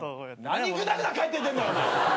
何ぐだぐだ帰ってってんだよ！